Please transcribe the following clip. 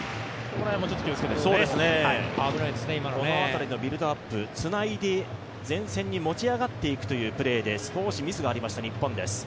この辺りのビルドアップ、つないで前線に持ち上がっていくというプレーで少しミスがありました日本です。